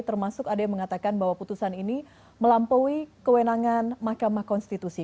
termasuk ada yang mengatakan bahwa putusan ini melampaui kewenangan mahkamah konstitusi